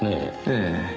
ええ。